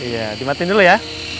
iya dimatin dulu ya